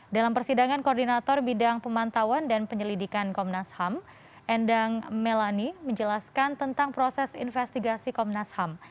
dalam persidangan koordinator bidang pemantauan dan penyelidikan komnas ham endang melani menjelaskan tentang proses investigasi komnas ham